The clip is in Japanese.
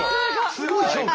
すごい評価。